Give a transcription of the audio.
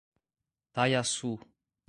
Taiaçu